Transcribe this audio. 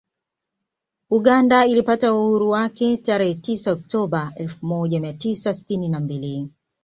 Uganda ilipata uhuru wake tarehe tisa Oktoba elfu moja mia tisa sitini na mbili